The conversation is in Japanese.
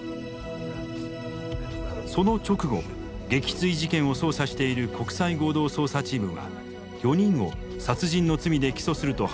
その直後撃墜事件を捜査している国際合同捜査チームは４人を殺人の罪で起訴すると発表。